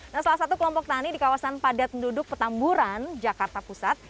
nah salah satu kelompok tani di kawasan padat penduduk petamburan jakarta pusat